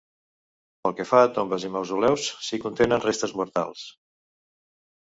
Pel que fa a tombes i mausoleus, si contenen restes mortals.